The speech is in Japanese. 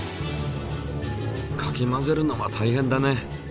かき混ぜるのは大変だね。